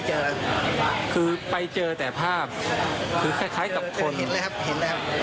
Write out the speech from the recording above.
เห็นแล้วครับหลายคน